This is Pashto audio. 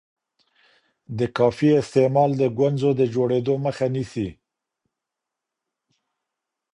د کافي استعمال د ګونځو د جوړیدو مخه نیسي.